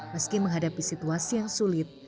meski menghadapi situasi yang sulit